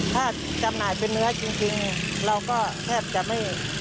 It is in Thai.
ถ้าจำหน่ายเป็นเนื้อจริงเราก็แทบจะไม่